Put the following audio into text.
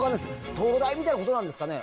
東大みたいなことなんですかね？